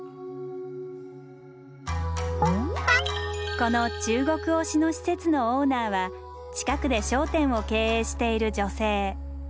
この中国推しの施設のオーナーは近くで商店を経営している女性。